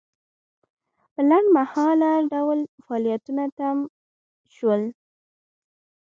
په لنډمهاله ډول فعالیتونه تم شول.